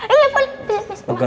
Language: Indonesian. eh boleh boleh mas